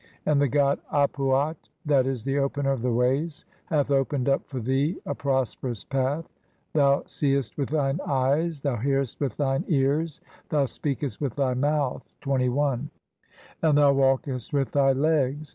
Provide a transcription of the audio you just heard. "And the god Ap uat (7. e., the Opener of the ways) "hath opened up for thee a prosperous path. Thou "seest with thine eyes, thou hearest with thine ears, "thou speakest with thy mouth, (21) and thou walk "est with thy legs.